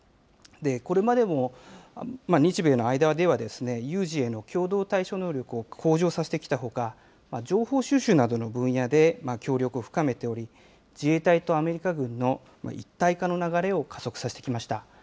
これまでも日米の間では、有事への共同対処能力を向上させてきたほか、情報収集などの分野で協力を深めており、自衛隊とアメリカ軍の一体化の流れを加速させてきました。